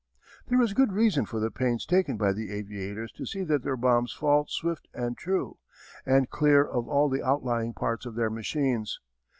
There is good reason for the pains taken by the aviators to see that their bombs fall swift and true, and clear of all the outlying parts of their machines.